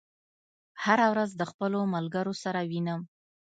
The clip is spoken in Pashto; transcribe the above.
هره ورځ د خپلو ملګرو سره وینم.